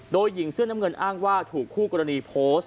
โดยหญิงเสื้อน้ำเงินอ้างว่าถูกคู่กรณีโพสต์